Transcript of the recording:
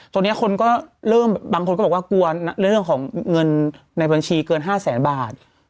ตรงนี้บางคนก็บอกว่ากลัวเรื่องของเงินในบัญชีเกิน๕แสนบาท